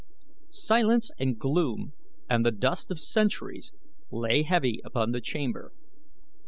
Silence and gloom and the dust of centuries lay heavy upon the chamber.